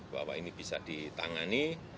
bahwa ini bisa ditangani